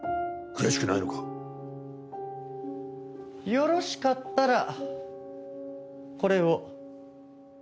よろしかったらこれを。